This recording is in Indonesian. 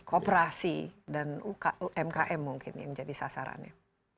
kooperasi dan umkm mungkin yang jadi sasarannya